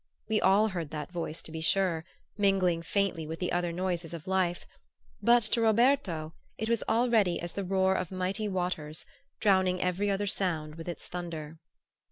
We all heard that Voice, to be sure, mingling faintly with the other noises of life; but to Roberto it was already as the roar of mighty waters, drowning every other sound with its thunder.